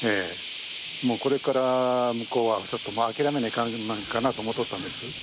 これから向こうはちょっともう諦めないかんかなと思うとったんです。